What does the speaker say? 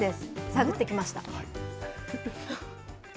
探ってきました。